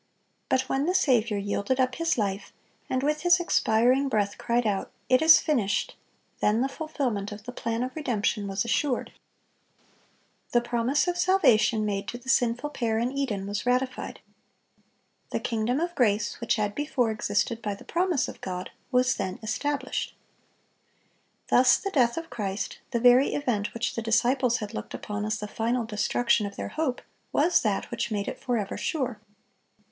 But when the Saviour yielded up His life, and with His expiring breath cried out, "It is finished," then the fulfilment of the plan of redemption was assured. The promise of salvation made to the sinful pair in Eden was ratified. The kingdom of grace, which had before existed by the promise of God, was then established. Thus the death of Christ—the very event which the disciples had looked upon as the final destruction of their hope—was that which made it forever sure.